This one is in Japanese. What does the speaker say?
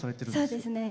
そうですね。